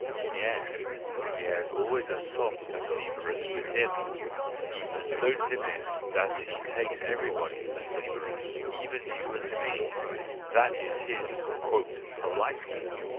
—Yes, he has always a sop for Cerberus with him, and is so timid that he takes everybody for Cerberus, even you and me,—that is his " politeness."